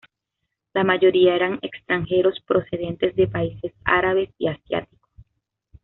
La mayoría eran extranjeros procedentes de países árabes y asiáticos.